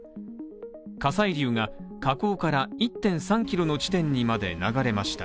火砕流が火口から１．３キロの地点にまで流れました。